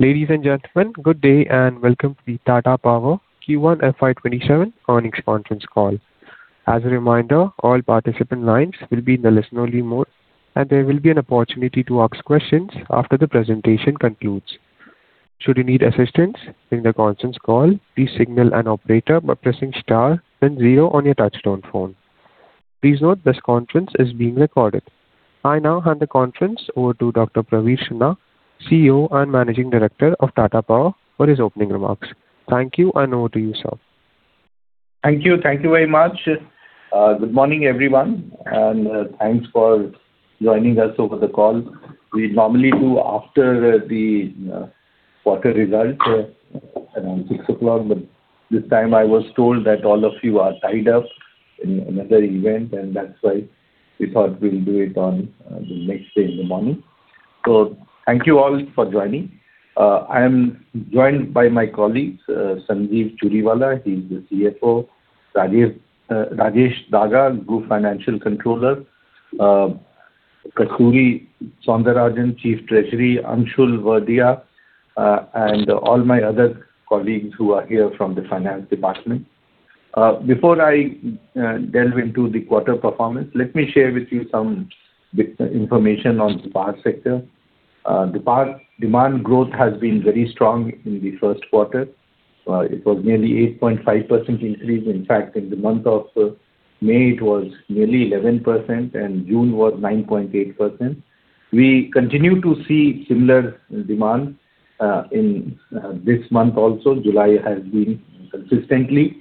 Ladies and gentlemen, good day and welcome to the Tata Power Q1 FY 2027 earnings conference call. As a reminder, all participant lines will be in the listen-only mode, and there will be an opportunity to ask questions after the presentation concludes. Should you need assistance during the conference call, please signal an operator by pressing star then zero on your touch-tone phone. Please note this conference is being recorded. I now hand the conference over to Dr. Praveer Sinha, CEO and Managing Director of Tata Power, for his opening remarks. Thank you, and over to you, sir. Thank you. Thank you very much. Good morning, everyone, and thanks for joining us over the call. We normally do after the quarter result around 6:00 P.M., but this time I was told that all of you are tied up in another event, and that is why we thought we will do it on the next day in the morning. Thank you all for joining. I am joined by my colleagues, Sanjeev Churiwala, he is the CFO. Rajesh Daga, Group Financial Controller. Kasturi Soundararajan, Chief Treasury. Anshul Verdia, and all my other colleagues who are here from the finance department. Before I delve into the quarter performance, let me share with you some information on the power sector. Power demand growth has been very strong in the first quarter. It was nearly 8.5% increase. In fact, in the month of May, it was nearly 11%, and June was 9.8%. We continue to see similar demand in this month also. July has been consistently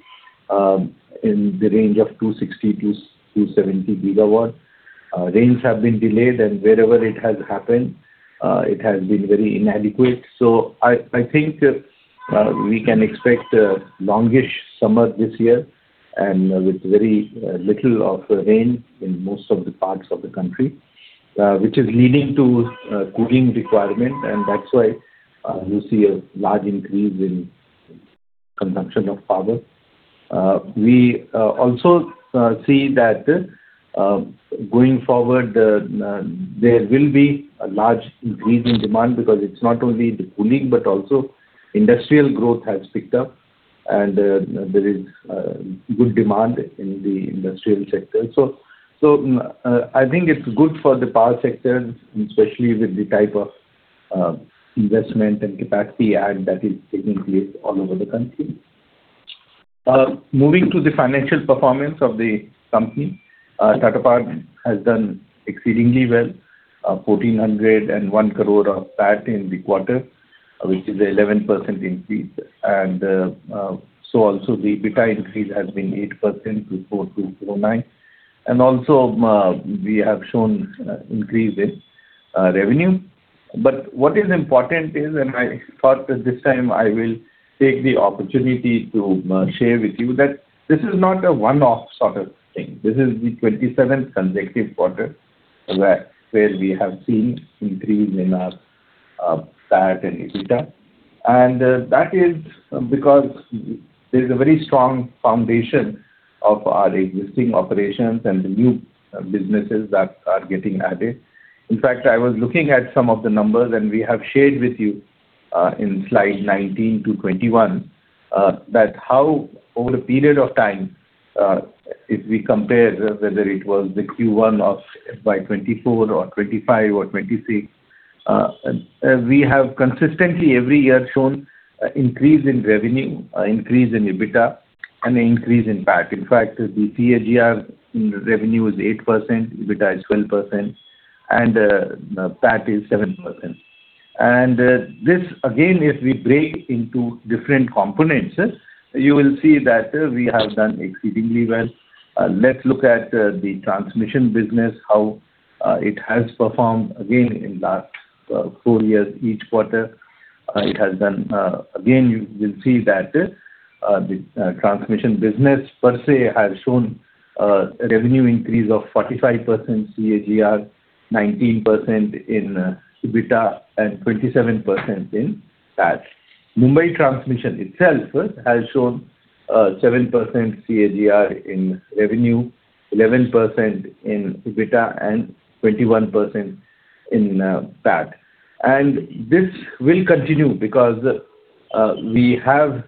in the range of 260 GW-270 GW. Rains have been delayed, and wherever it has happened, it has been very inadequate. I think we can expect a longish summer this year and with very little of rain in most of the parts of the country, which is leading to cooling requirement, and that is why you see a large increase in consumption of power. We also see that going forward, there will be a large increase in demand because it is not only the cooling, but also industrial growth has picked up and there is good demand in the industrial sector. I think it is good for the power sector, especially with the type of investment and capacity add that is taking place all over the country. Moving to the financial performance of the company. Tata Power has done exceedingly well. 1,401 crore of PAT in the quarter, which is 11% increase. So also the EBITDA increase has been 8% to 4,249. Also we have shown increase in revenue. What is important is, and I thought that this time I will take the opportunity to share with you that this is not a one-off sort of thing. This is the 27th consecutive quarter where we have seen increase in our PAT and EBITDA. That is because there is a very strong foundation of our existing operations and the new businesses that are getting added. In fact, I was looking at some of the numbers, and we have shared with you in slide 19-21. How over a period of time, if we compare whether it was the Q1 of FY 2024 or FY 2025 or FY 2026, we have consistently every year shown increase in revenue, increase in EBITDA and increase in PAT. In fact, the CAGR in revenue is 8%, EBITDA is 12% and PAT is 7%. This again, if we break into different components, you will see that we have done exceedingly well. Let's look at the transmission business, how it has performed again in last four years, each quarter. Again, you will see that the transmission business per se has shown a revenue increase of 45% CAGR, 19% in EBITDA and 27% in PAT. Mumbai Transmission itself has shown 7% CAGR in revenue, 11% in EBITDA and 21% in PAT. This will continue because we have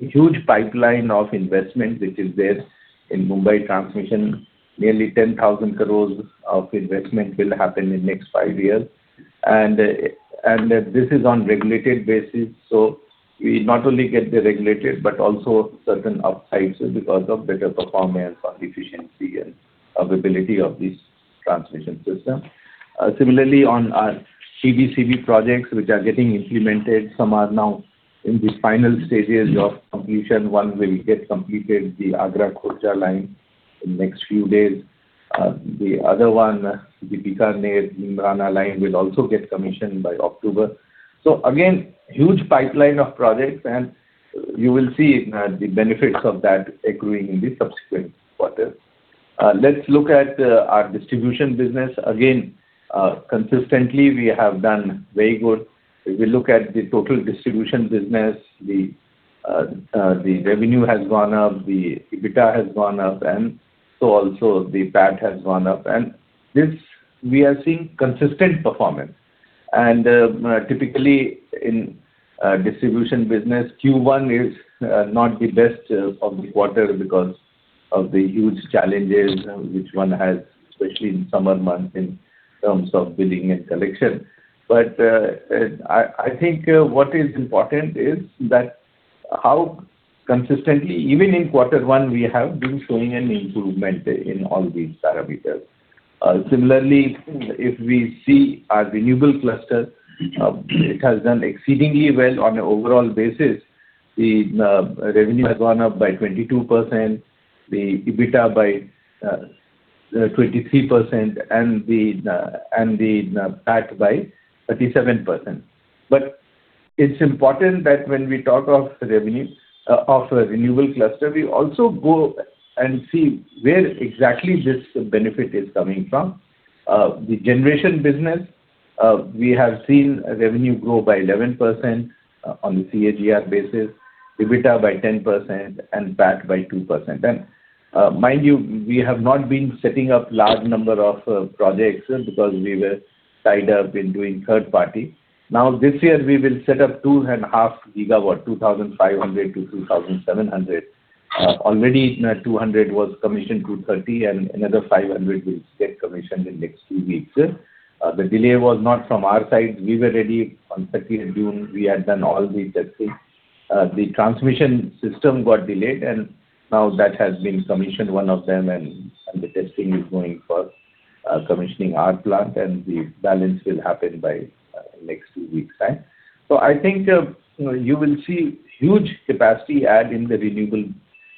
huge pipeline of investment which is there in Mumbai Transmission. Nearly 10,000 crore of investment will happen in next five years. This is on regulated basis, so we not only get the regulated but also certain upsides because of better performance on efficiency and availability of this transmission system. Similarly, on our TBCB projects which are getting implemented, some are now in the final stages of completion. One will get completed, the Jalpura–Khurja line in next few days. The other one, the Bikaner-Neemrana line, will also get commissioned by October. Again, huge pipeline of projects and you will see the benefits of that accruing in the subsequent quarters. Let's look at our distribution business. Again, consistently we have done very good. If you look at the total distribution business, the revenue has gone up, the EBITDA has gone up, also the PAT has gone up. This, we are seeing consistent performance. Typically, in distribution business, Q1 is not the best of the quarter because of the huge challenges which one has, especially in summer months, in terms of billing and collection. I think what is important is that how consistently, even in quarter one, we have been showing an improvement in all these parameters. Similarly, if we see our renewable cluster, it has done exceedingly well on an overall basis. The revenue has gone up by 22%, the EBITDA by 23%, and the PAT by 37%. It's important that when we talk of revenue of a renewable cluster, we also go and see where exactly this benefit is coming from. The generation business, we have seen revenue grow by 11% on the CAGR basis, EBITDA by 10%, and PAT by 2%. Mind you, we have not been setting up large number of projects because we were tied up in doing third party. Now, this year, we will set up 2.5 GW, 2,500 MW-2,700 MW. Already, 200 was commissioned, 230, and another 500 will get commissioned in next two weeks. The delay was not from our side. We were ready on 30th June. We had done all the testing. The transmission system got delayed, and now that has been commissioned, one of them, and the testing is going for commissioning our plant, and the balance will happen by next two weeks' time. I think you will see huge capacity add in the renewable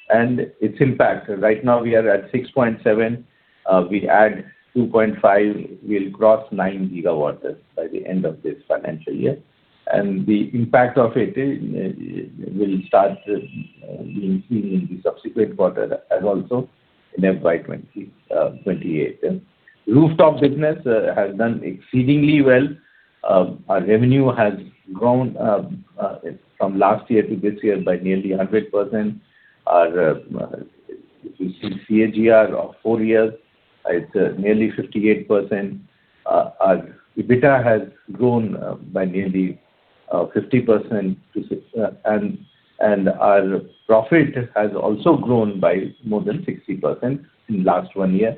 and its impact. Right now, we are at 6.7. We add 2.5, we'll cross 9 GW by the end of this financial year. The impact of it will start being seen in the subsequent quarter and also in FY 2028. Rooftop business has done exceedingly well. Our revenue has grown from last year to this year by nearly 100%. Our CAGR of four years is nearly 58%. Our EBITDA has grown by nearly 50%, and our profit has also grown by more than 60% in last one year.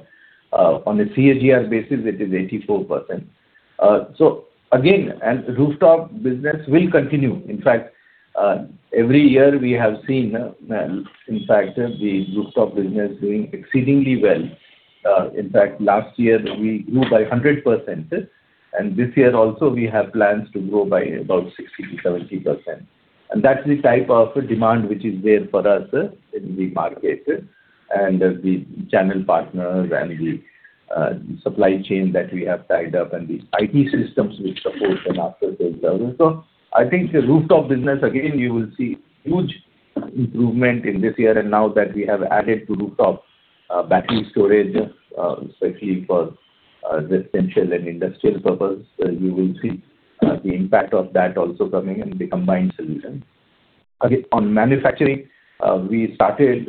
On a CAGR basis, it is 84%. Rooftop business will continue. Every year we have seen, the rooftop business doing exceedingly well. Last year we grew by 100%, and this year also, we have plans to grow by about 60%-70%. That's the type of demand which is there for us in the market, and the channel partners and the supply chain that we have tied up, and the IT systems which support them after sales as well. I think the rooftop business, again, you will see huge improvement in this year, and now that we have added to rooftop battery storage, especially for residential and industrial purpose, you will see the impact of that also coming in the combined solution. Okay. On manufacturing, we started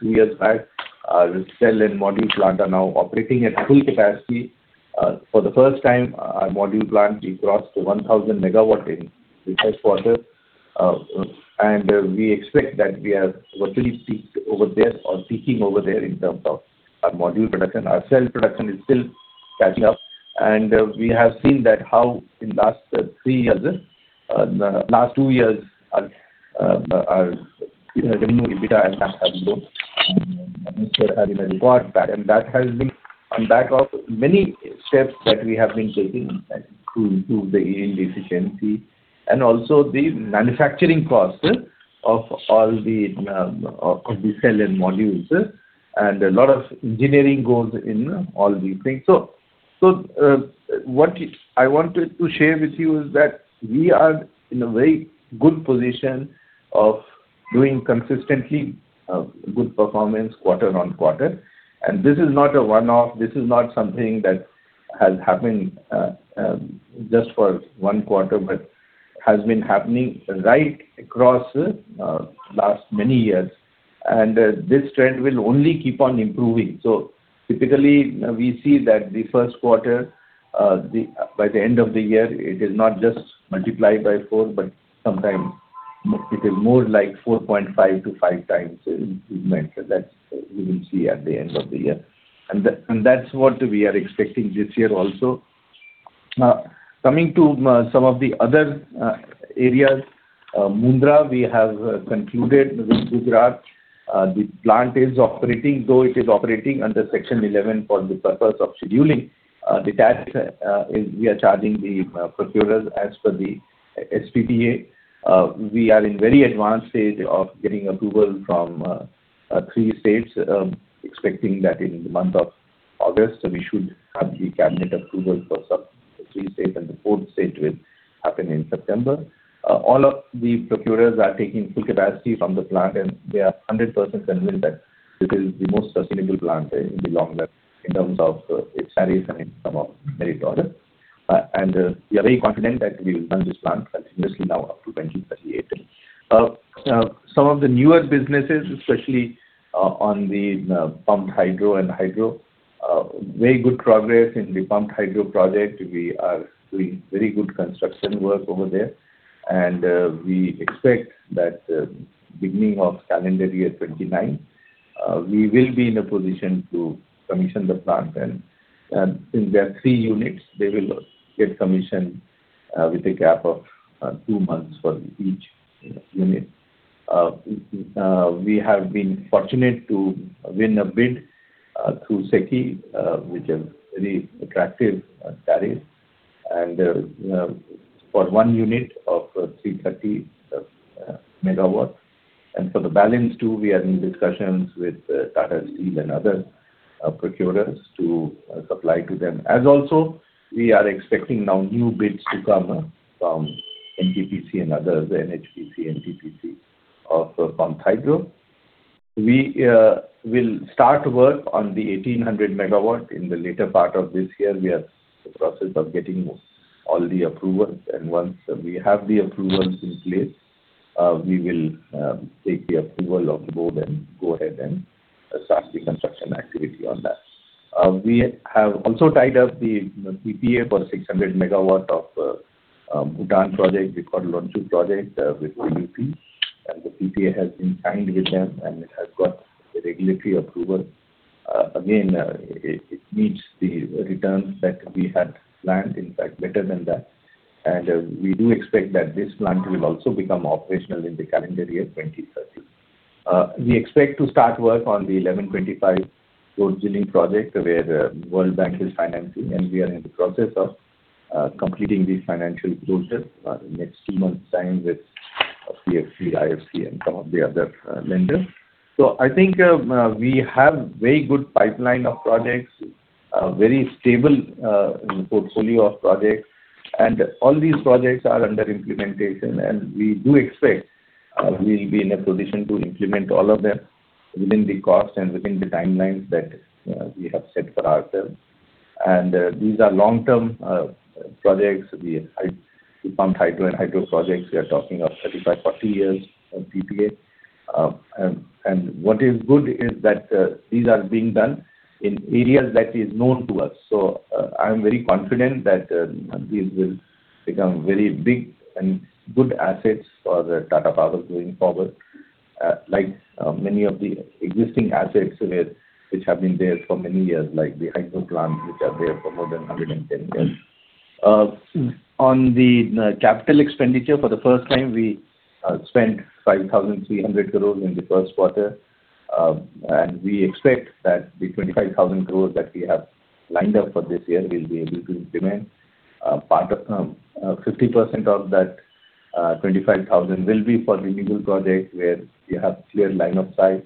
two years back. Our cell and module plant are now operating at full capacity. For the first time, our module plant, we crossed 1,000 MW in the first quarter. We expect that we have virtually peaked over there or peaking over there in terms of our module production. Our cell production is still catching up. We have seen that how in last three years, last two years, our revenue, EBITDA and PAT have grown quarter back. That has been on back of many steps that we have been taking to improve the end efficiency and also the manufacturing cost of the cell and modules. A lot of engineering goes in all these things. What I wanted to share with you is that we are in a very good position of doing consistently good performance quarter-on-quarter. This is not a one-off. This is not something that has happened just for one quarter, but has been happening right across last many years. This trend will only keep on improving. Typically, we see that the first quarter, by the end of the year, it is not just multiplied by four, but sometime it is more like 4.5x-5x Improvement. That we will see at the end of the year. That's what we are expecting this year also. Now, coming to some of the other areas. Mundra, we have concluded with Gujarat. The plant is operating, though it is operating under Section 11 for the purpose of scheduling. The tariff, we are charging the procurers as per the SPPA. We are in very advanced stage of getting approval from three states, expecting that in the month of August, we should have the cabinet approval for three states, and the fourth state will happen in September. All of the procurers are taking full capacity from the plant, and they are 100% convinced that it is the most sustainable plant in the long run in terms of its product. We are very confident that we will run this plant continuously now up to 2038. Some of the newer businesses, especially on the pumped hydro and hydro, very good progress in the pumped hydro project. We are doing very good construction work over there. We expect that beginning of calendar year 2029, we will be in a position to commission the plant then. Since there are three units, they will get commission with a gap of two months for each unit. We have been fortunate to win a bid through SECI with a very attractive tariff for one unit of 330 MW. For the balance two, we are in discussions with Tata Steel and other procurers to supply to them. As also, we are expecting now new bids to come from NTPC and others, the NHPC, NTPC, also pumped hydro. We will start work on the 1,800 MW in the later part of this year. We are in the process of getting all the approvals. Once we have the approvals in place, we will take the approval of the board and go ahead and start the construction activity on that. We have also tied up the PPA for 600 MW of Bhutan project, we call it Khorlochhu project, with DGPC. The PPA has been signed with them, and it has got the regulatory approval. Again, it meets the returns that we had planned. In fact, better than that. We do expect that this plant will also become operational in the calendar year 2030. We expect to start work on the 1,125 MW Dorjilung project, where World Bank is financing, and we are in the process of completing the financial closure in the next two months, signed with CFC, IFC, and some of the other lenders. I think we have very good pipeline of projects, a very stable portfolio of projects. All these projects are under implementation, and we do expect we will be in a position to implement all of them within the cost and within the timelines that we have set for ourselves. These are long-term projects. The pumped hydro and hydro projects, we are talking of 35-40 years of PPA. What is good is that these are being done in areas that is known to us. I'm very confident that these will become very big and good assets for the Tata Power going forward. Like many of the existing assets which have been there for many years, like the hydro plants, which are there for more than 110 years. On the capital expenditure, for the first time, we spent 5,300 crore in the first quarter. We expect that the 25,000 crore that we have lined up for this year, we'll be able to implement. 50% of that 25,000 will be for renewable projects, where we have clear line of sight.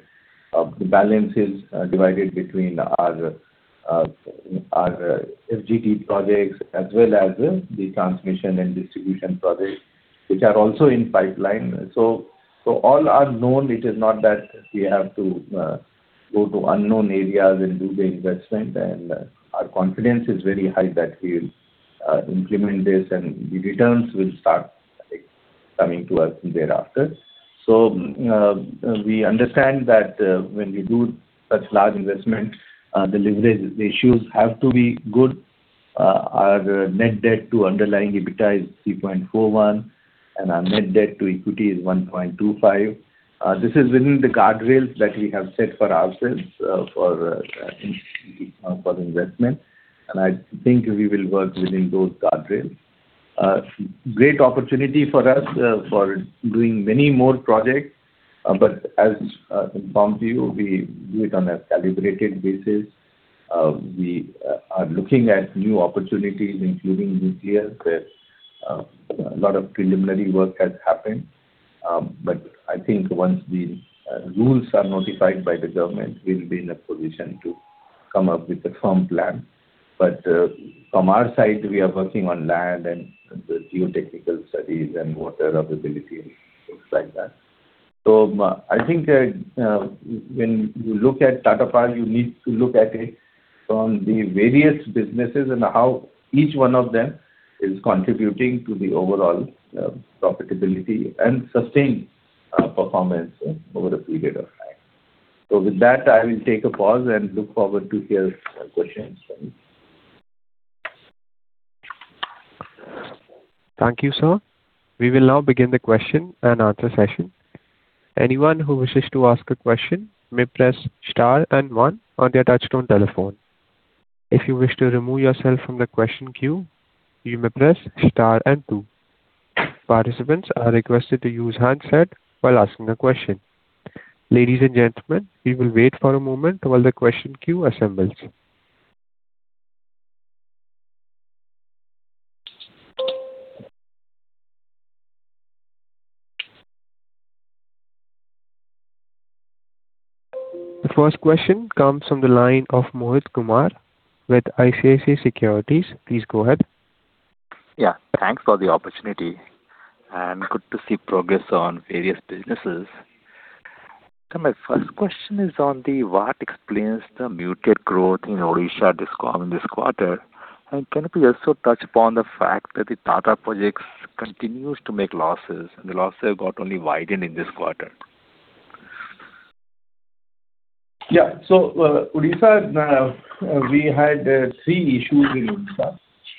The balance is divided between our FGD projects as well as the transmission and distribution projects, which are also in pipeline. All are known. It is not that we have to go to unknown areas and do the investment. Our confidence is very high that we'll implement this and the returns will start coming to us thereafter. We understand that when we do such large investment, the leverage ratios have to be good. Our net debt to underlying EBITDA is 3.41x, and our net debt to equity is 1.25x. This is within the guardrails that we have set for ourselves for investment, and I think we will work within those guardrails. Great opportunity for us for doing many more projects. As informed to you, we do it on a calibrated basis. We are looking at new opportunities, including nuclear, where a lot of preliminary work has happened. I think once the rules are notified by the government, we'll be in a position to come up with a firm plan. From our side, we are working on land and the geotechnical studies and water availability and things like that. I think when you look at Tata Power, you need to look at it from the various businesses and how each one of them is contributing to the overall profitability and sustained performance over a period of time. With that, I will take a pause and look forward to hear questions from you. Thank you, sir. We will now begin the question and answer session. Anyone who wishes to ask a question may press star and one on their touch-tone telephone. If you wish to remove yourself from the question queue, you may press star and two. Participants are requested to use handset while asking a question. Ladies and gentlemen, we will wait for a moment while the question queue assembles. The first question comes from the line of Mohit Kumar with ICICI Securities. Please go ahead. Thanks for the opportunity, good to see progress on various businesses. My first question is on what explains the muted growth in Odisha this quarter, can we also touch upon the fact that the Tata Projects continue to make losses, the losses have only widened in this quarter? Yeah. Odisha, we had three issues in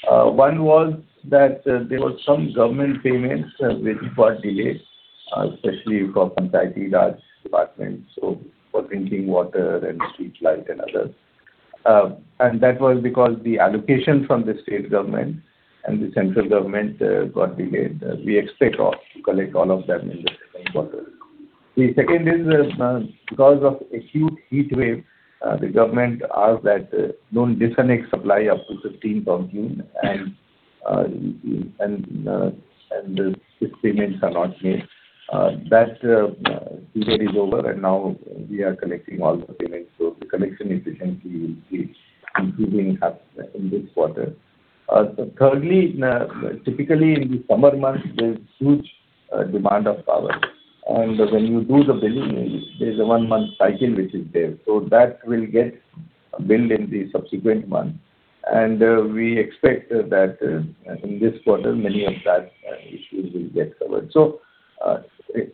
Odisha. One was that there were some government payments which were delayed, especially from Panchayati Raj departments, so for drinking water and streetlights and others. That was because the allocation from the state government and the central government got delayed. We expect to collect all of them in the coming quarter. The second is because of a huge heat wave, the government asked that don't disconnect supply up to 15th of June, and if payments are not made. That period is over, and now we are collecting all the payments, so the collection efficiency will see improvement in this quarter. Thirdly, typically in the summer months, there's huge demand of power, and when you do the billing, there's a one-month cycle which is there. That will get billed in the subsequent month. We expect that in this quarter, many of that issues will get covered.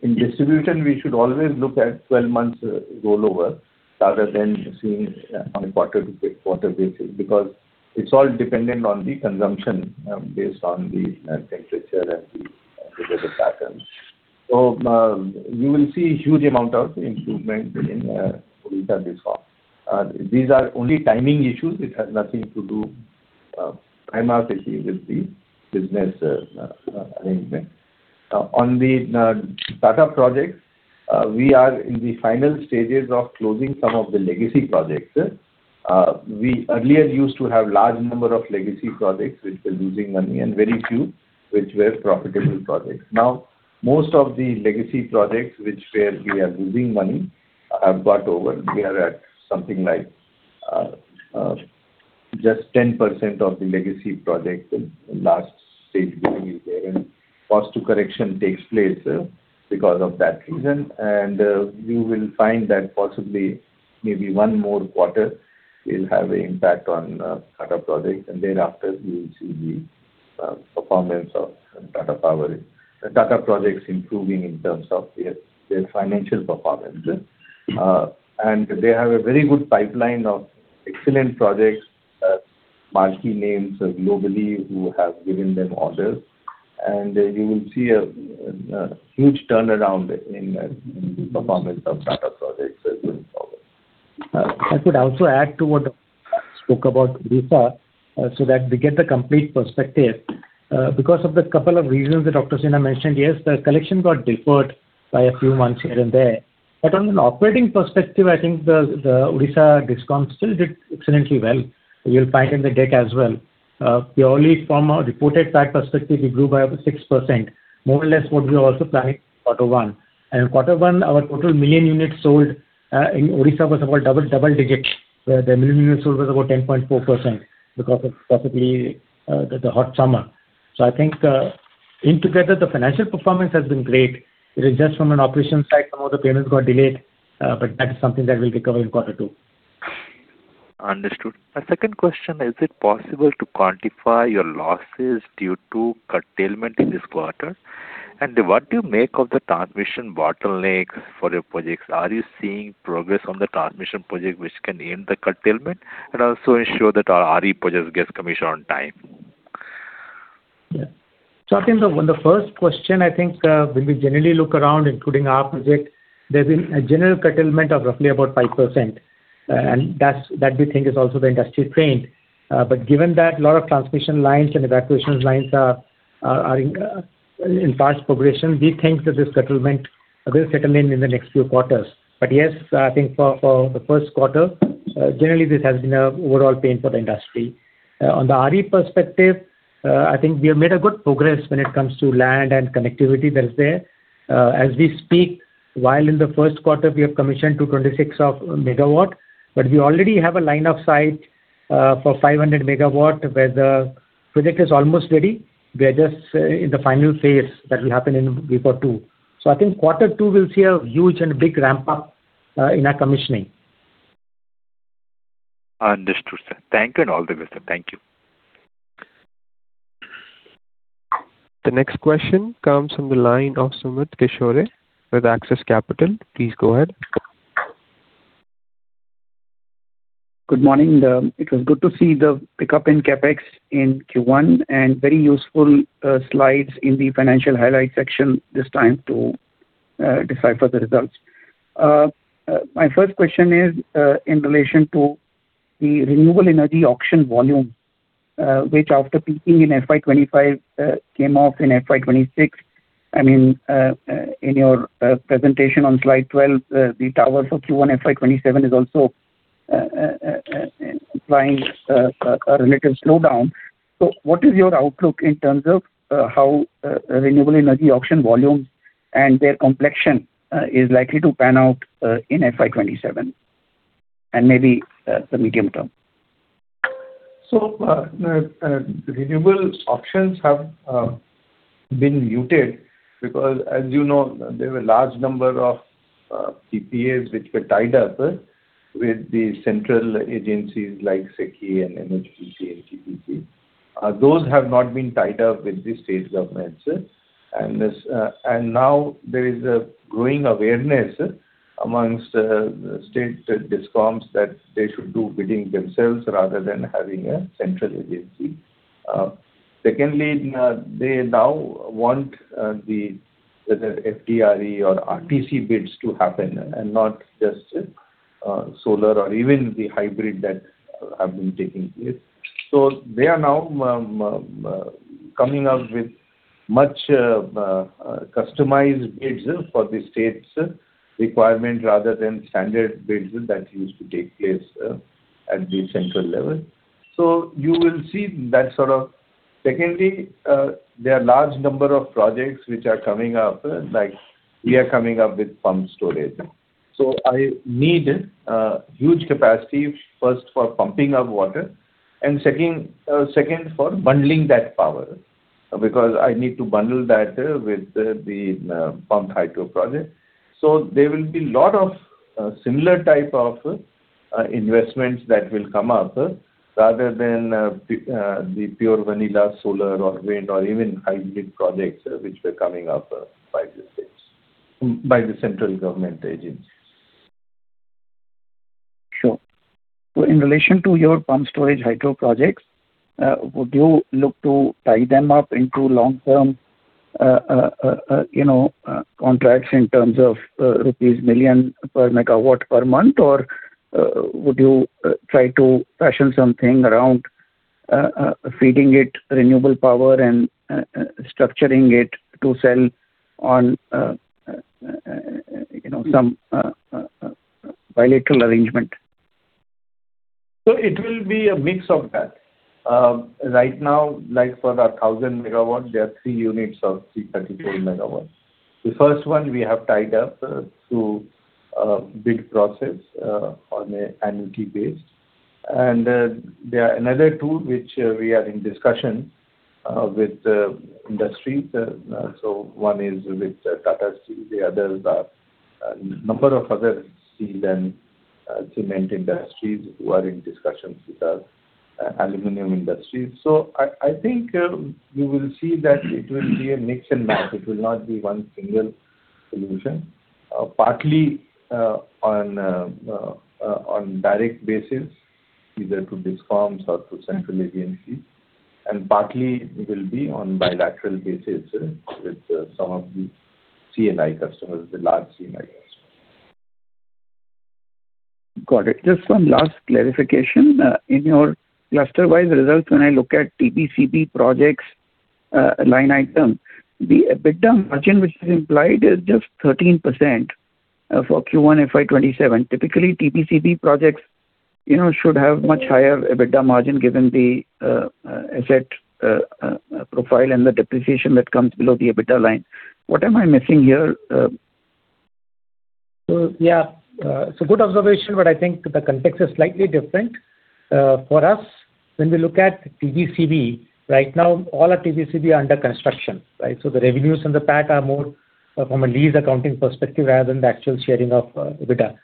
In distribution, we should always look at 12 months rollover rather than seeing it on a quarter-to-quarter basis, because it's all dependent on the consumption based on the temperature and the weather patterns. You will see a huge amount of improvement in Odisha this quarter. These are only timing issues, which has nothing to do primarily with the business arrangement. On the Tata Projects, we are in the final stages of closing some of the legacy projects. We earlier used to have large number of legacy projects which were losing money and very few which were profitable projects. Now, most of the legacy projects which we are losing money are bought over. We are at something like just 10% of the legacy projects in last stage billing is there, cost to correction takes place because of that reason. You will find that possibly maybe one more quarter will have impact on Tata Projects, thereafter you will see the performance of Tata Projects improving in terms of their financial performance. They have a very good pipeline of excellent projects, marquee names globally who have given them orders. You will see a huge turnaround in the performance of Tata Projects going forward. If I could also add to what Dr. Sinha spoke about Odisha so that we get the complete perspective. Because of the couple of reasons that Dr. Sinha mentioned, yes, the collection got deferred by a few months here and there. On an operating perspective, I think the Odisha DISCOM still did exceedingly well. You'll find in the deck as well. Purely from a reported fact perspective, we grew by over 6%, more or less what we also planned quarter one. Quarter one, our total million units sold in Odisha was about double digits, where the million units sold was about 10.4% because of possibly the hot summer. I think in together, the financial performance has been great. It is just from an operations side, some of the payments got delayed, but that is something that we'll recover in quarter two. Understood. My second question, is it possible to quantify your losses due to curtailment in this quarter? What do you make of the transmission bottlenecks for your projects? Are you seeing progress on the transmission project which can end the curtailment and also ensure that our RE projects gets commissioned on time? Yeah. I think on the first question, I think when we generally look around, including our project, there's been a general curtailment of roughly about 5%. That we think is also the industry trend. Given that a lot of transmission lines and evacuation lines are in fast progression, we think that this curtailment will settle in the next few quarters. Yes, I think for the first quarter, generally this has been a overall pain for the industry. On the RE perspective, I think we have made a good progress when it comes to land and connectivity that is there. As we speak, while in the first quarter we have commissioned 226 MW, we already have a line of site for 500 MW where the project is almost ready. We are just in the final phase that will happen in Q2. I think quarter two will see a huge and big ramp-up in our commissioning. Understood, sir. Thank you and all the best. Thank you. The next question comes from the line of Sumit Kishore with Axis Capital. Please go ahead. Good morning. It was good to see the pickup in CapEx in Q1, and very useful slides in the financial highlights section this time to decipher the results. My first question is in relation to the renewable energy auction volume, which after peaking in FY 2025, came off in FY 2026. In your presentation on slide 12, the towers for Q1 FY 2027 is also implying a relative slowdown. What is your outlook in terms of how renewable energy auction volume and their complexion is likely to pan out in FY 2027, and maybe the medium term? Renewable options have been muted because, as you know, there were large number of PPAs which were tied up with the central agencies like SECI and NTPC and GPPC. Those have not been tied up with the state governments. Now there is a growing awareness amongst state DISCOMs that they should do bidding themselves rather than having a central agency. Secondly, they now want the FTR or RTC bids to happen and not just solar or even the hybrid that have been taking place. They are now coming out with much customized bids for the states' requirement rather than standard bids that used to take place at the central level. You will see Secondly, there are large number of projects which are coming up. Like we are coming up with pump storage. I need a huge capacity first for pumping of water and second for bundling that power, because I need to bundle that with the pump hydro project. There will be lot of similar type of investments that will come up rather than the pure vanilla solar or wind or even hybrid projects which were coming up by the central government agencies. Sure. In relation to your pump storage hydro projects, would you look to tie them up into long-term contracts in terms of rupees million per megawatt per month? Or would you try to fashion something around feeding it renewable power and structuring it to sell on some bilateral arrangement? It will be a mix of that. Right now, like for our 1,000 MW, there are three units of 334 MW. The first one we have tied up through bid process on an annuity basis. There are another two which we are in discussion with industry. One is with Tata Steel, the others are number of other steel and cement industries who are in discussions with us, aluminum industries. I think you will see that it will be a mix and match. It will not be one single solution. Partly on direct basis, either to DISCOMs or to central agencies, and partly will be on bilateral basis with some of the C&I customers, the large C&I customers. Got it. Just one last clarification. In your cluster-wise results, when I look at TBCB projects line item, the EBITDA margin which is implied is just 13% for Q1 FY 2027. Typically, TBCB projects should have much higher EBITDA margin given the asset profile and the depreciation that comes below the EBITDA line. What am I missing here? Yeah. It's a good observation, but I think the context is slightly different. For us, when we look at TBCB, right now all our TBCB are under construction. The revenues and the PAT are more from a lease accounting perspective rather than the actual sharing of EBITDA.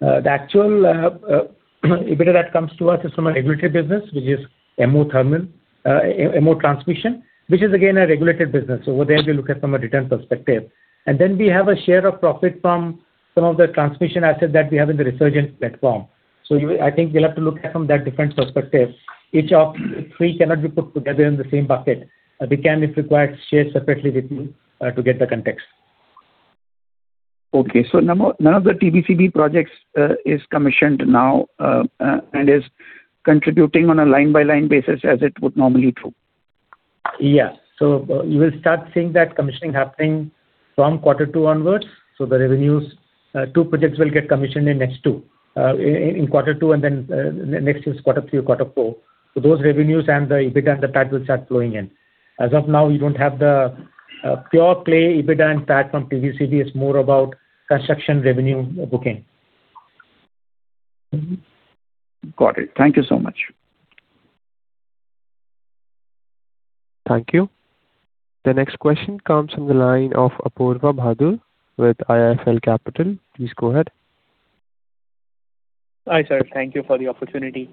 The actual EBITDA that comes to us is from a regulated business, which is Mumbai Transmission, which is again a regulated business. Over there we look at from a return perspective. Then we have a share of profit from some of the transmission assets that we have in the Resurgent platform. I think we'll have to look at from that different perspective. Each of three cannot be put together in the same bucket. We can, if required, share separately with you to get the context. Okay, none of the TBCB projects is commissioned now and is contributing on a line-by-line basis as it would normally do? Yeah. You will start seeing that commissioning happening from quarter two onwards. The revenues, two projects will get commissioned in next two. In quarter two and then next is quarter three or quarter four. Those revenues and the EBITDA and the PAT will start flowing in. As of now, you don't have the pure play EBITDA and PAT from TBCB. It's more about construction revenue booking. Got it. Thank you so much. Thank you. The next question comes from the line of Apoorva Bahadur with IIFL Capital. Please go ahead. Hi, sir. Thank you for the opportunity.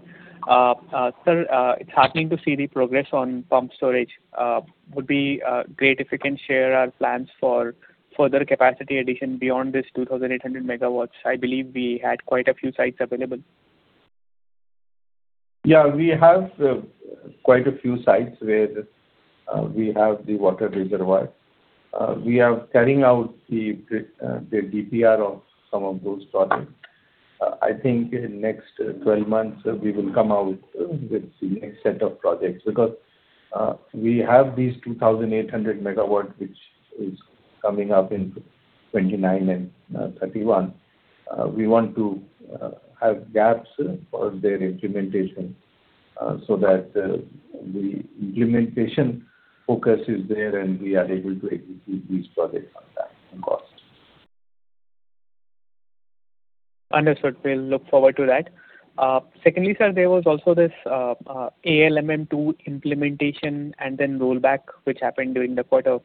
Sir, it's heartening to see the progress on pumped storage. Would be great if you can share our plans for further capacity addition beyond this 2,800 MW? I believe we had quite a few sites available. We have quite a few sites where we have the water reservoir. We are carrying out the DPR of some of those projects. I think in next 12 months, we will come out with the next set of projects. We have these 2,800 MW which is coming up in 2029 and 2031. We want to have gaps for their implementation so that the implementation focus is there and we are able to execute these projects on time and cost. Understood. We'll look forward to that. Secondly, sir, there was also this ALMM-2 implementation and then rollback, which happened during the quarter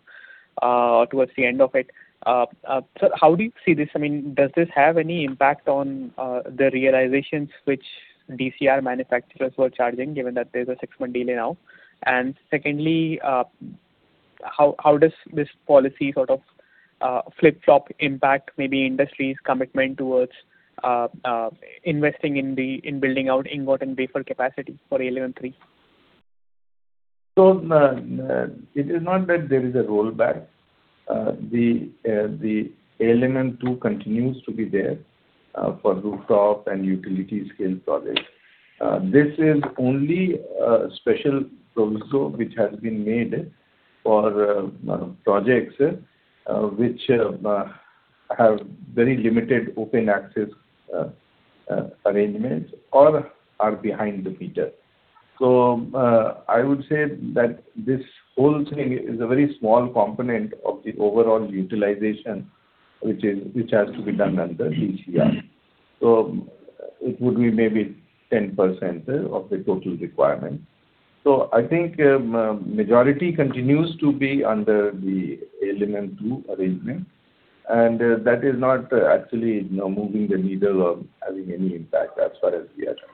towards the end of it. Sir, how do you see this? Does this have any impact on the realizations which DCR manufacturers were charging, given that there's a six-month delay now? Secondly, how does this policy sort of flip-flop impact maybe industry's commitment towards investing in building out ingot and wafer capacity for ALMM-3? It is not that there is a rollback. The ALMM-2 continues to be there for rooftop and utility scale projects. This is only a special proviso which has been made for projects which have very limited open access arrangements or are behind the meter. I would say that this whole thing is a very small component of the overall utilization, which has to be done under DCR. It would be maybe 10% of the total requirement. I think majority continues to be under the ALMM-2 arrangement, and that is not actually moving the needle or having any impact as far as we are concerned.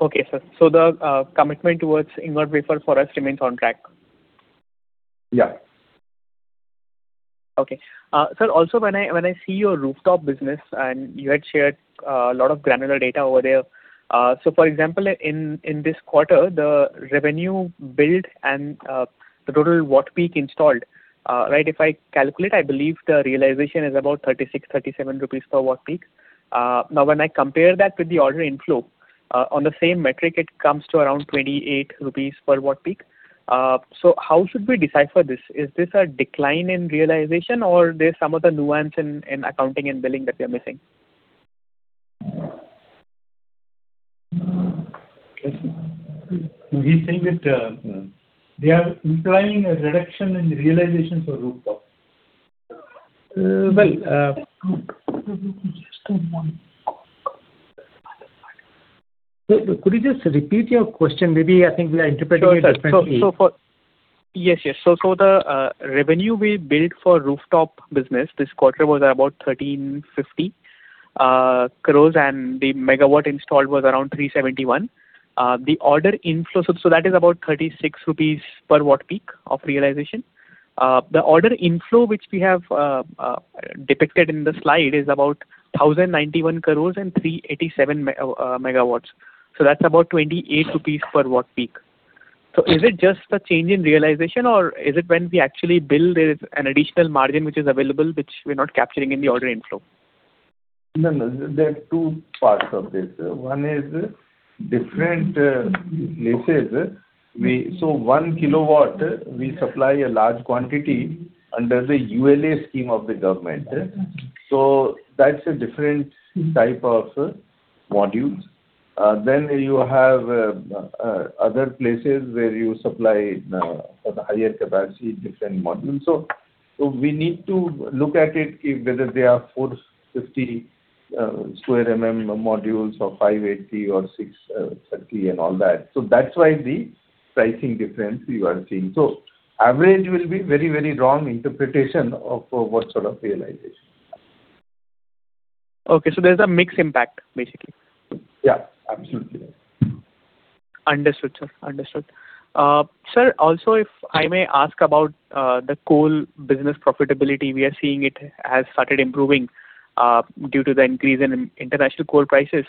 Okay, sir. The commitment towards ingot wafer for us remains on track? Yeah. Okay. Sir, when I see your rooftop business, you had shared a lot of granular data over there. For example, in this quarter, the revenue build and the total watt peak installed. If I calculate, I believe the realization is about 36-37 rupees per watt peak. When I compare that with the order inflow, on the same metric, it comes to around 28 rupees per watt peak. How should we decipher this? Is this a decline in realization or there's some other nuance in accounting and billing that we are missing? He's saying that they are implying a reduction in the realization for rooftop. Well, could you just repeat your question? Maybe I think we are interpreting it differently. Yes. The revenue we billed for rooftop business this quarter was about 1,350 crore, and the megawatt installed was around 371. That is about 36 rupees per watt peak of realization. The order inflow, which we have depicted in the slide, is about 1,091 crore and 387 MW. That's about 28 rupees per watt peak. Is it just a change in realization, or is it when we actually bill, there is an additional margin which is available, which we're not capturing in the order inflow? No. There are two parts of this. One is different places. 1 kW, we supply a large quantity under the ULA scheme of the government. That's a different type of modules. Then you have other places where you supply for the higher capacity, different modules. We need to look at it, whether they are 450 sq mm modules or 580 or 630 and all that. That's why the pricing difference you are seeing. Average will be very wrong interpretation of what sort of realization. Okay. There's a mix impact, basically. Yeah, absolutely. Understood, sir. Sir, if I may ask about the coal business profitability. We are seeing it has started improving due to the increase in international coal prices.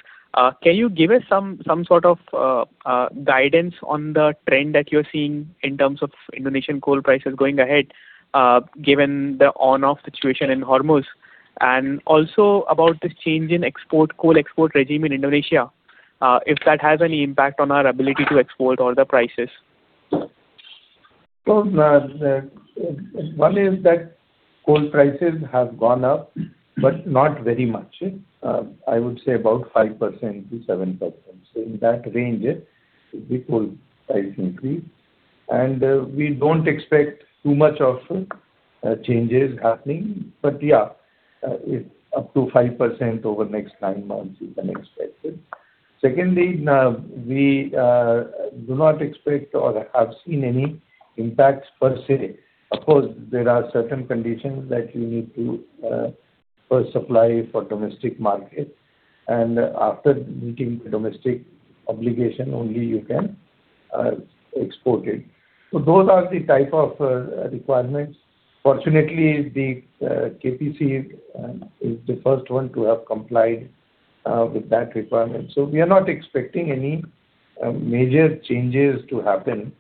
Can you give us some sort of guidance on the trend that you're seeing in terms of Indonesian coal prices going ahead, given the on-off situation in Hormuz? About this change in coal export regime in Indonesia, if that has any impact on our ability to export or the prices. One is that coal prices have gone up, but not very much. I would say about 5%-7%. In that range, the coal price increase. We don't expect too much of changes happening, but yeah, up to 5% over next nine months we can expect it. Secondly, we do not expect or have seen any impacts per se. Of course, there are certain conditions that you need to first supply for domestic market, and after meeting the domestic obligation, only you can export it. Those are the type of requirements. Fortunately, the KPC is the first one to have complied with that requirement. We are not expecting any major changes to happen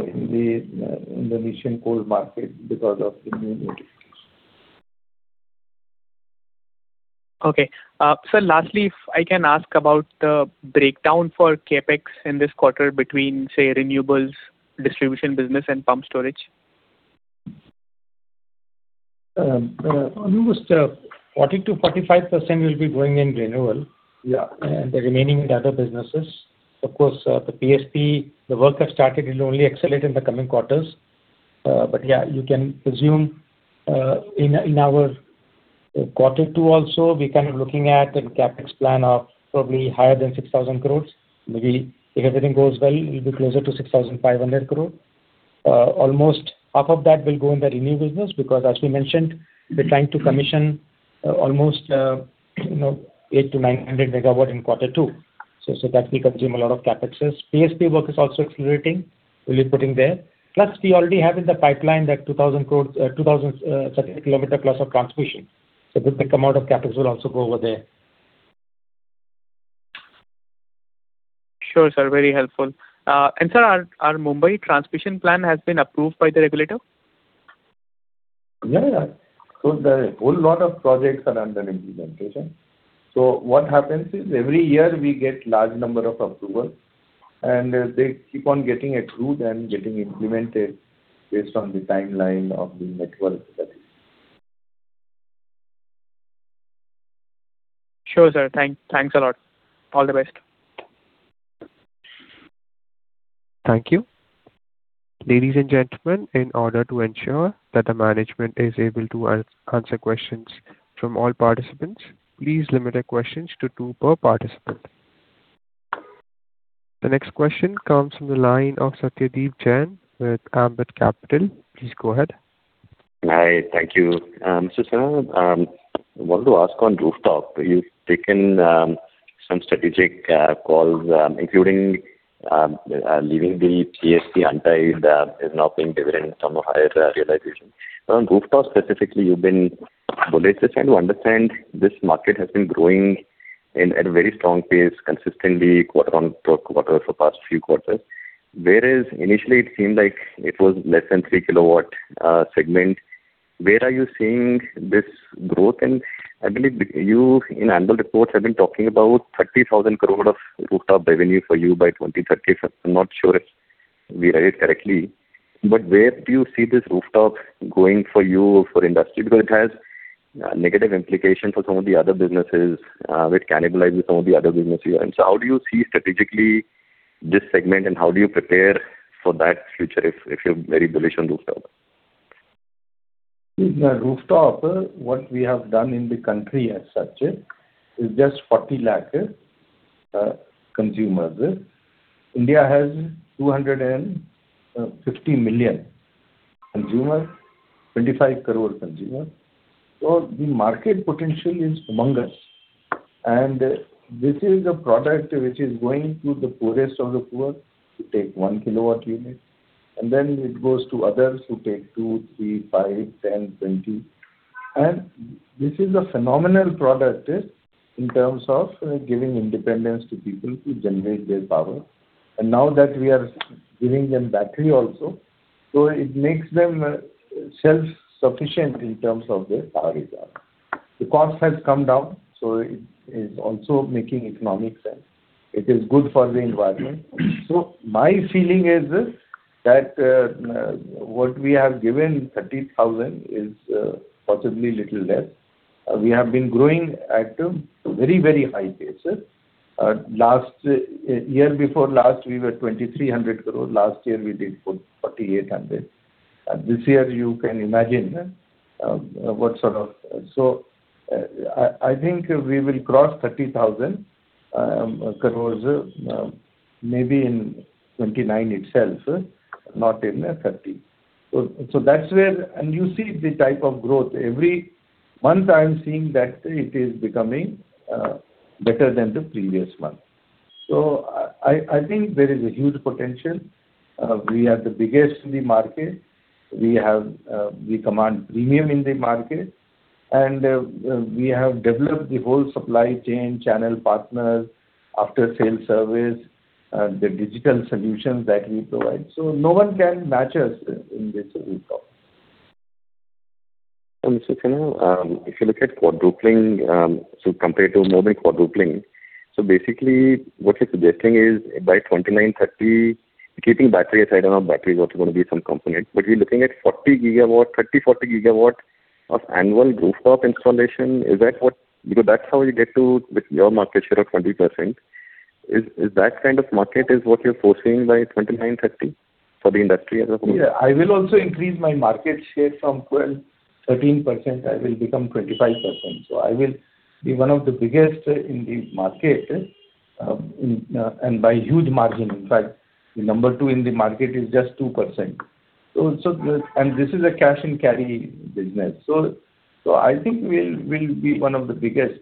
in the Indonesian coal market because of the new regulations. Sir, lastly, if I can ask about the breakdown for CapEx in this quarter between, say, renewables, distribution business, and pump storage. Almost 40%-45% will be going in renewal. Yeah. The remaining in the other businesses. Of course, the PSP, the work has started, it will only accelerate in the coming quarters. Yeah, you can presume in our quarter two also, we're kind of looking at a CapEx plan of probably higher than 6,000 crore. Maybe if everything goes well, it'll be closer to 6,500 crore. Almost half of that will go in the renew business, because as we mentioned, we're trying to commission almost 800 MW-900 MW in quarter two. That will consume a lot of CapExes. PSP work is also accelerating. We'll be putting there. Plus, we already have in the pipeline that 2,000 km plus of transmission. A good amount of CapEx will also go over there. Sure, sir. Very helpful. Sir, our Mumbai Transmission plan has been approved by the regulator? Yeah. There are whole lot of projects are under implementation. What happens is, every year we get large number of approvals, they keep on getting approved and getting implemented based on the timeline of the network. Sure, sir. Thanks a lot. All the best. Thank you. Ladies and gentlemen, in order to ensure that the management is able to answer questions from all participants, please limit your questions to two per participant. The next question comes from the line of Satyadeep Jain with Ambit Capital. Please go ahead. Hi. Thank you. Mr. Sinha, I wanted to ask on rooftop. You've taken some strategic calls, including leaving the PSP untied is now paying dividend, some of higher realization. On rooftop specifically, you've been bullish. Just trying to understand, this market has been growing at a very strong pace consistently quarter-on-quarter for the past few quarters. Whereas initially it seemed like it was less than 3 kW segment. Where are you seeing this growth? I believe you in annual reports have been talking about 30,000 crore rupees of rooftop revenue for you by 2030. I'm not sure if we read it correctly. Where do you see this rooftop going for you, for industry? Because it has negative implication for some of the other businesses, which cannibalizes some of the other business here. How do you see strategically this segment, and how do you prepare for that future if you're very bullish on rooftop? In rooftop, what we have done in the country as such is just 40 lakh consumers. India has 250 million consumers, 25 crore consumers. The market potential is humongous. This is a product which is going to the poorest of the poor, who take 1 kW unit, and then it goes to others who take two, three, five, 10, 20. This is a phenomenal product in terms of giving independence to people to generate their power. Now that we are giving them battery also, it makes them self-sufficient in terms of their power requirement. The cost has come down, it is also making economic sense. It is good for the environment. My feeling is that what we have given 30,000 crore is possibly little less. We have been growing at a very high pace. Year before last we were 2,300 crore. Last year we did 4,800 crore. This year you can imagine what sort of I think we will cross 30,000 crore maybe in 2029 itself, not in 2030. You see the type of growth. Every month I am seeing that it is becoming better than the previous month. I think there is a huge potential. We are the biggest in the market. We command premium in the market, and we have developed the whole supply chain, channel partners, after-sale service, the digital solutions that we provide. No one can match us in this rooftop. Mr. Sinha, if you look at quadrupling, compared to more than quadrupling. Basically what you're suggesting is by 2029, 2030, keeping battery aside, I know battery is also going to be some component, but we're looking at 40 GW, 30 GW-40 GW of annual rooftop installation. Because that's how you get to your market share of 20%. Is that kind of market is what you're foreseeing by 2029-2030 for the industry as a whole? I will also increase my market share from 12%-13%, I will become 25%. I will be one of the biggest in the market, and by huge margin. In fact, the number two in the market is just 2%. This is a cash and carry business. I think we'll be one of the biggest.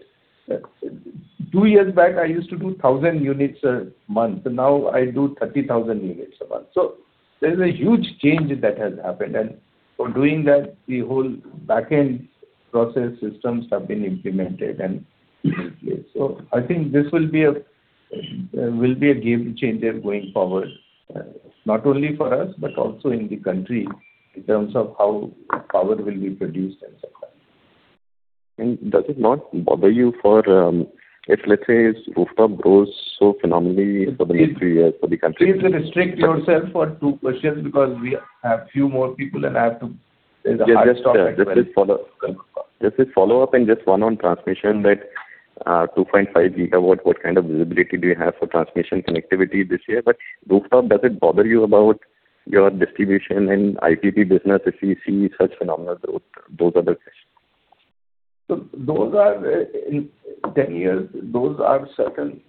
Two years back, I used to do 1,000 units a month. Now I do 30,000 units a month. There is a huge change that has happened. For doing that, the whole back end process systems have been implemented and in place. I think this will be a game changer going forward, not only for us, but also in the country in terms of how power will be produced and so on. Does it not bother you for, if let's say rooftop grows so phenomenally for the next three years for the country- Please restrict yourself for two questions because we have few more people, and there's a hard stop at 12. Just a follow-up and just one on transmission, that 2.5 GW, what kind of visibility do you have for transmission connectivity this year? Rooftop, does it bother you about your distribution and IPP business if we see such phenomenal growth? Those are the questions. In 10 years, those are certain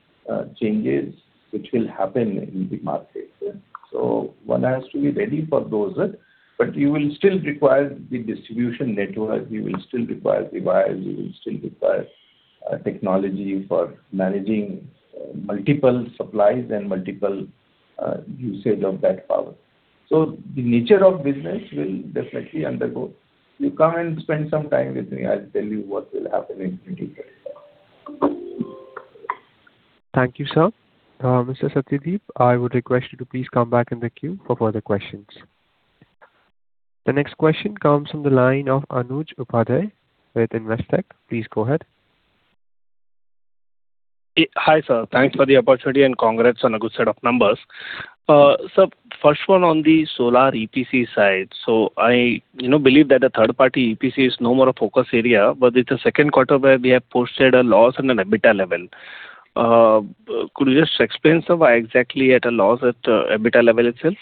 changes which will happen in the market. One has to be ready for those. You will still require the distribution network, you will still require devices, you will still require technology for managing multiple supplies and multiple usage of that power. The nature of business will definitely undergo. You come and spend some time with me, I'll tell you what will happen in detail. Thank you, sir. Mr. Satyadeep, I would request you to please come back in the queue for further questions. The next question comes from the line of Anuj Upadhyay with Investec. Please go ahead. Hi, sir. Thanks for the opportunity and congrats on a good set of numbers. Sir, first one on the solar EPC side. I believe that the third party EPC is no more a focus area, but it is a second quarter where we have posted a loss on an EBITDA level. Could you just explain, sir, why exactly at a loss at EBITDA level itself?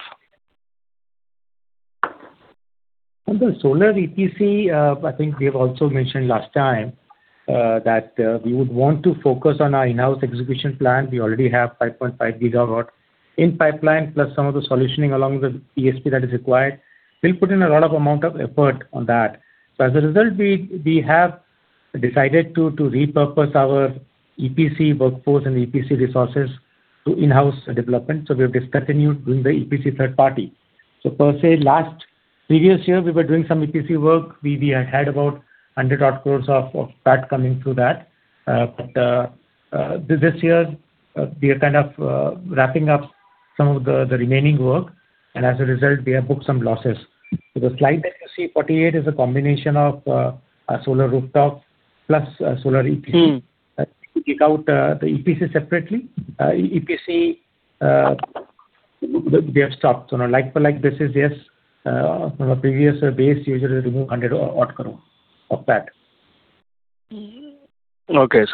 On the solar EPC, I think we have also mentioned last time, that we would want to focus on our in-house execution plan. We already have 5.5 GW in pipeline, plus some of the solutioning along with the PSP that is required. We will put in a lot of amount of effort on that. As a result, we have decided to repurpose our EPC workforce and EPC resources to in-house development. We have discontinued doing the EPC third party. Per se last previous year, we were doing some EPC work. We had about 100 crore of that coming through that. This year, we are kind of wrapping up some of the remaining work, and as a result, we have booked some losses. The slide that you see, 48, is a combination of solar rooftop plus solar EPC. If you take out the EPC separately, EPC, we have stopped. Like for like basis, yes. From our previous base, usually remove INR 100 crore of that. Okay.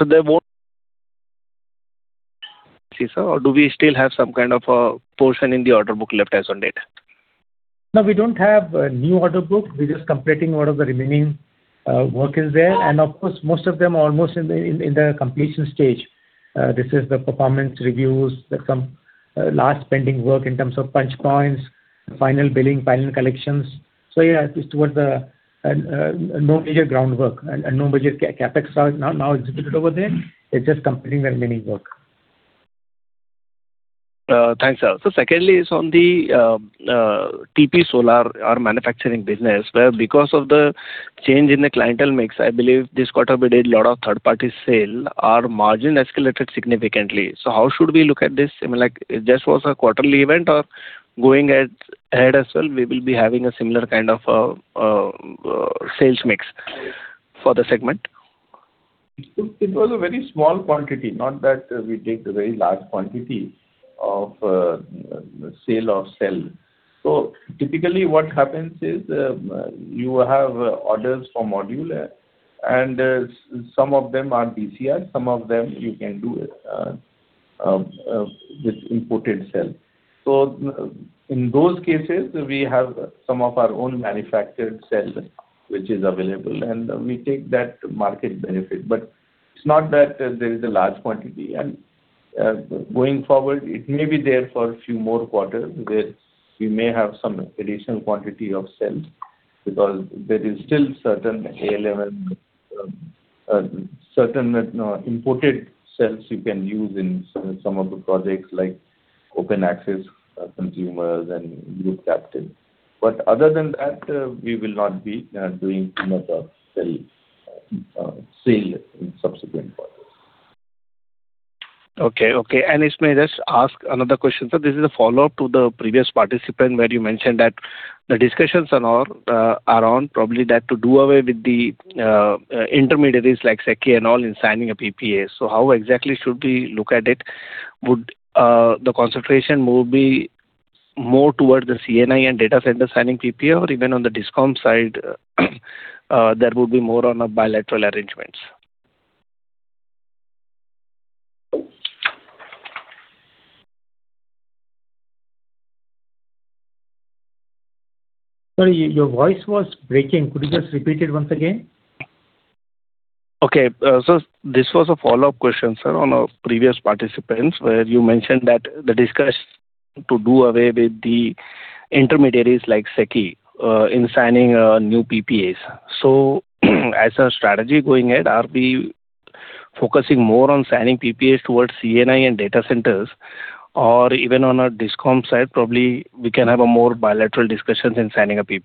Do we still have some kind of a portion in the order book left as on date? No, we don't have a new order book. We're just completing whatever the remaining work is there. Of course, most of them are almost in the completion stage. This is the performance reviews, some last pending work in terms of punch points, final billing, final collections. Yeah, it's towards the no major groundwork and no major CapEx are now executed over there. It's just completing the remaining work. Thanks, sir. Secondly, is on the TP Solar, our manufacturing business, where because of the change in the clientele mix, I believe this quarter we did lot of third party sale, our margin escalated significantly. How should we look at this? I mean, like this was a quarterly event or going ahead as well, we will be having a similar kind of a sales mix for the segment? It was a very small quantity, not that we take a very large quantity of sale of cell. Typically, what happens is, you have orders for module, and some of them are DCR, some of them you can do with imported cell. In those cases, we have some of our own manufactured cell which is available, and we take that market benefit. It's not that there is a large quantity. Going forward, it may be there for a few more quarters, where we may have some additional quantity of cells, because there is still certain A-level, certain imported cells you can use in some of the projects like open access consumers and roof-capped ones. Other than that, we will not be doing too much of cell sale in subsequent quarters. Okay. If may just ask another question, sir. This is a follow-up to the previous participant where you mentioned that the discussions are on probably that to do away with the intermediaries like SECI and all in signing a PPA. How exactly should we look at it? Would the concentration will be more towards the C&I and data center signing PPA or even on the DISCOM side that would be more on a bilateral arrangements? Sorry, your voice was breaking. Could you just repeat it once again? Okay. This was a follow-up question, sir, on a previous participant, where you mentioned the discussion to do away with the intermediaries like SECI, in signing new PPAs. As a strategy going ahead, are we focusing more on signing PPAs towards C&I and data centers, or even on a DISCOM side, probably we can have a more bilateral discussions in signing a PPA.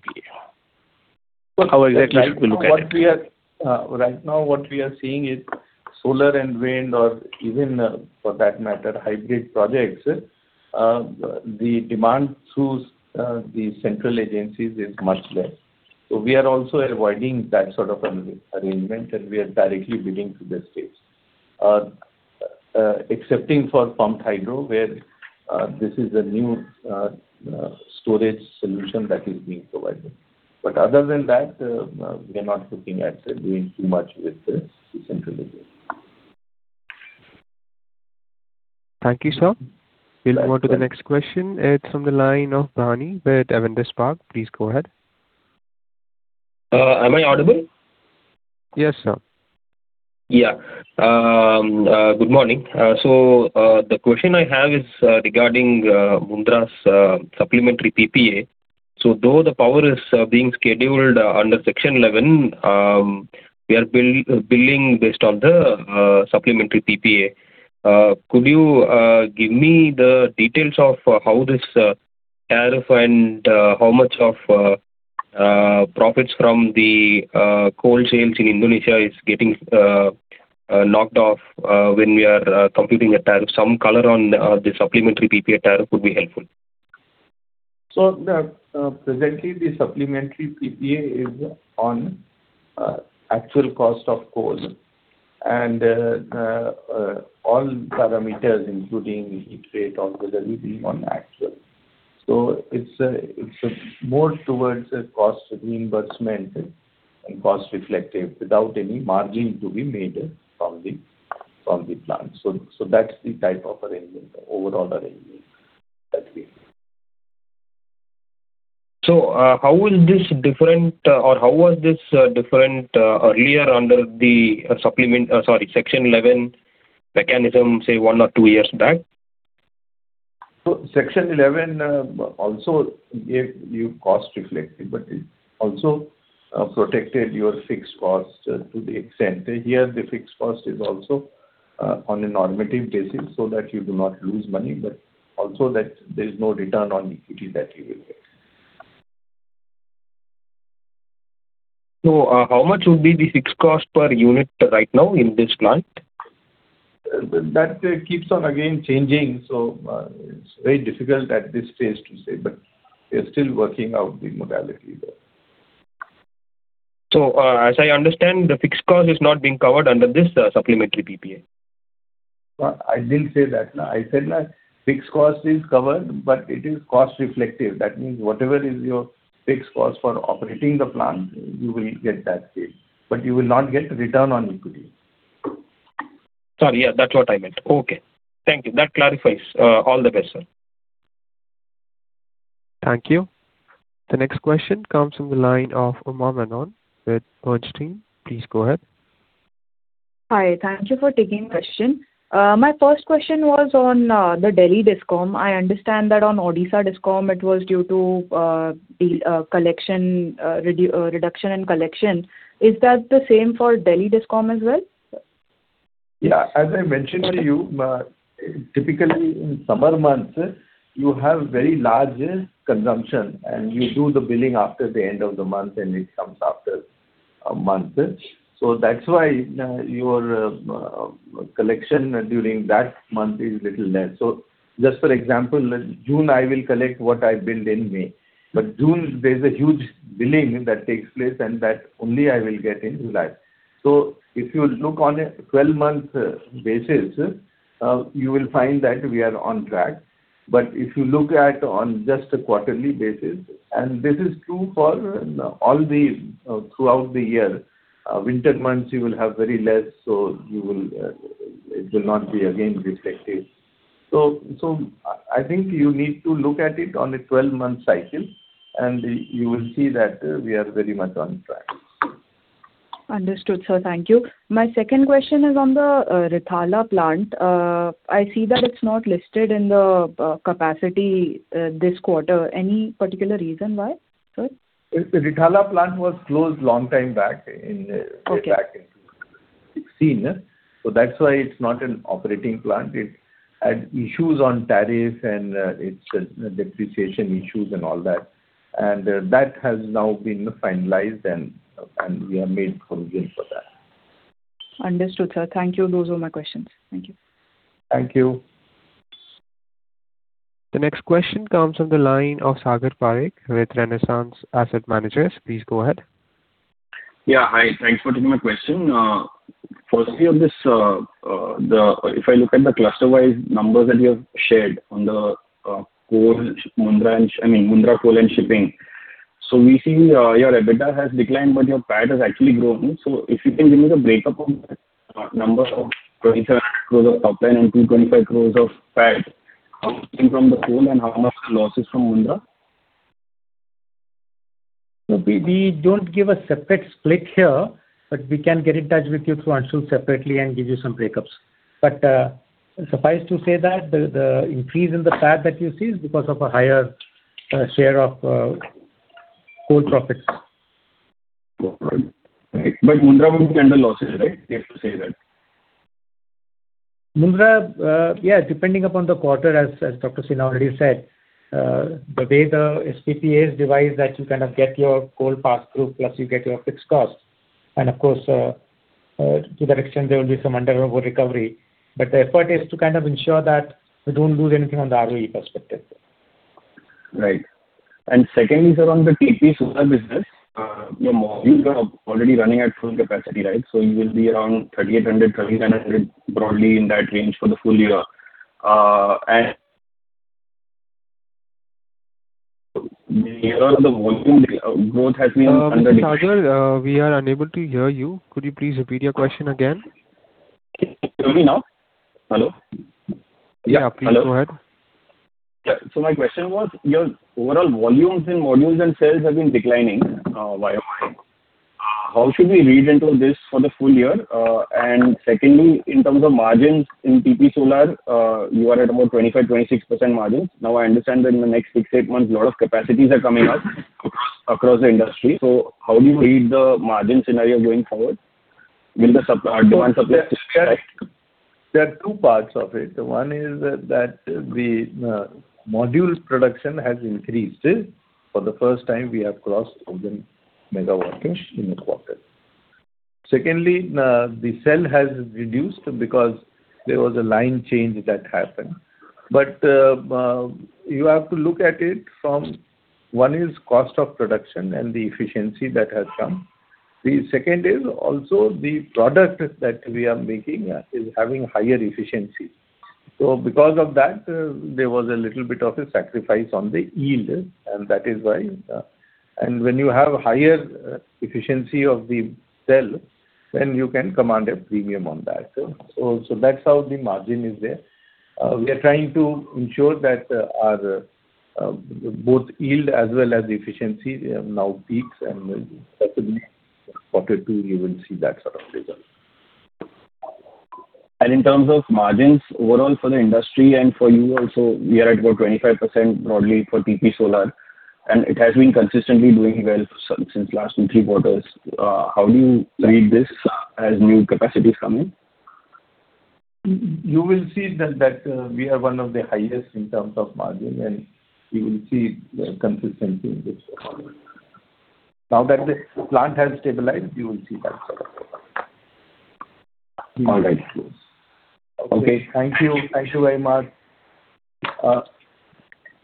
How exactly should we look at it? Right now, what we are seeing is solar and wind or even, for that matter, hybrid projects. The demand through the central agencies is much less. We are also avoiding that sort of an arrangement, and we are directly billing to the states. Excepting for pumped hydro, where this is a new storage solution that is being provided. Other than that, we are not looking at doing too much with the central agency. Thank you, sir. We'll move on to the next question. It's from the line of [Jain] with Avendus Spark. Please go ahead. Am I audible? Yes, sir. Good morning. The question I have is regarding Mundra's supplementary PPA. Though the power is being scheduled under Section 11, we are billing based on the supplementary PPA. Could you give me the details of how this tariff and how much of profits from the coal sales in Indonesia is getting knocked off when we are computing a tariff? Some color on the supplementary PPA tariff would be helpful. Presently, the supplementary PPA is on actual cost of coal, and all parameters, including heat rate, also will be on actual. It's more towards a cost reimbursement and cost reflective without any margin to be made from the plant. That's the type of arrangement, the overall arrangement that we have. How is this different, or how was this different earlier under the Section 11 mechanism, say one or two years back? Section 11 also gave you cost reflective, but it also protected your fixed cost to the extent. Here the fixed cost is also on a normative basis so that you do not lose money, but also that there's no return on equity that you will get. How much would be the fixed cost per unit right now in this plant? That keeps on, again, changing, so it is very difficult at this stage to say, but we are still working out the modality there. As I understand, the fixed cost is not being covered under this supplementary PPA. No, I didn't say that. I said fixed cost is covered, but it is cost reflective. That means whatever is your fixed cost for operating the plant, you will get that paid, but you will not get return on equity. Sorry. Yeah, that's what I meant. Okay. Thank you. That clarifies. All the best, sir. Thank you. The next question comes from the line of Uma Menon with Bernstein. Please go ahead. Hi. Thank you for taking question. My first question was on the Delhi DISCOM. I understand that on Odisha DISCOM, it was due to reduction in collection. Is that the same for Delhi DISCOM as well? Yeah. As I mentioned to you, typically in summer months, you have very large consumption, and you do the billing after the end of the month, and it comes after a month. That's why your collection during that month is little less. Just for example, June I will collect what I billed in May, but June there's a huge billing that takes place, and that only I will get in July. If you look on a 12-month basis, you will find that we are on track. If you look at on just a quarterly basis, and this is true throughout the year. Winter months, you will have very less, so it will not be again reflective. I think you need to look at it on a 12-month cycle, and you will see that we are very much on track. Understood, sir. Thank you. My second question is on the Rithala plant. I see that it's not listed in the capacity this quarter. Any particular reason why, sir? The Rithala plant was closed long time back. Okay. That's why it's not an operating plant. It had issues on tariffs, and its depreciation issues and all that. That has now been finalized, and we have made provision for that. Understood, sir. Thank you. Those were my questions. Thank you. Thank you. The next question comes from the line of Sagar Parekh with Renaissance Asset Managers. Please go ahead. Yeah, hi. Thanks for taking my question. Firstly, if I look at the cluster-wise numbers that you have shared on the Mundra Coal and Shipping. We see your EBITDA has declined, but your PAT has actually grown. If you can give me the breakup on that number, 2,700 crores of top line and 225 crores of PAT, how much came from the coal and how much the losses from Mundra? We don't give a separate split here, but we can get in touch with you through Anshul separately and give you some breakups. Suffice to say that the increase in the PAT that you see is because of a higher share of coal profits. All right. Mundra will be under losses, right? Safe to say that. Mundra, yeah, depending upon the quarter, as Dr. Sinha already said. The way the SPPA is devised, that you kind of get your coal pass-through, plus you get your fixed cost. To that extent, there will be some under recovery. The effort is to ensure that we don't lose anything on the ROE perspective. Right. Secondly, sir, on the TP Solar business, your modules are already running at full capacity, right? You will be around 3,800, 2,900, broadly in that range for the full year. Mr. Sagar, we are unable to hear you. Could you please repeat your question again? Can you hear me now? Hello? Yeah, please go ahead. Yeah. My question was, your overall volumes in modules and cells have been declining YoY. How should we read into this for the full year? Secondly, in terms of margins in TP Solar, you are at about 25%-26% margin. Now, I understand that in the next six, eight months, a lot of capacities are coming up across the industry. How do you read the margin scenario going forward? Will the demand supply? There are two parts of it. One is that the modules production has increased. For the first time, we have crossed over megawatt in a quarter. Secondly, the cell has reduced because there was a line change that happened. You have to look at it from, one is cost of production and the efficiency that has come. The second is also the product that we are making is having higher efficiency. Because of that, there was a little bit of a sacrifice on the yield, and that is why. When you have higher efficiency of the cell, then you can command a premium on that. That's how the margin is there. We are trying to ensure that both yield as well as efficiency now peaks and possibly quarter two, you will see that sort of result. In terms of margins overall for the industry and for you also, we are at about 25% broadly for TP Solar, and it has been consistently doing well since last two, three quarters. How do you read this as new capacities come in? You will see that we are one of the highest in terms of margin, and you will see consistency in this quarter. Now that the plant has stabilized, you will see that. All right. Okay. Thank you. Thank you very much.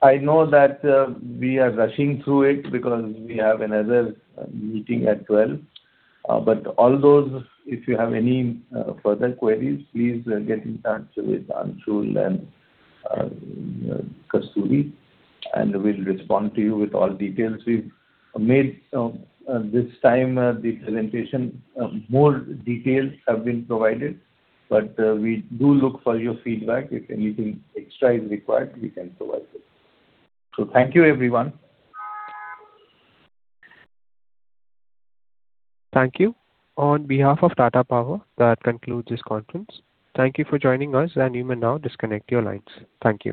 I know that we are rushing through it because we have another meeting at 12. All those, if you have any further queries, please get in touch with Anshul and Kasturi, and we'll respond to you with all details. We've made this time the presentation, more details have been provided, but we do look for your feedback. If anything extra is required, we can provide it. Thank you, everyone. Thank you. On behalf of Tata Power, that concludes this conference. Thank you for joining us, and you may now disconnect your lines. Thank you